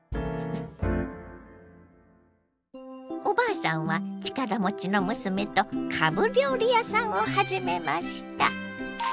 おばあさんは力持ちの娘とかぶ料理屋さんを始めました。